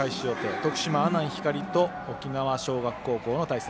徳島、阿南光と沖縄尚学高校の対戦。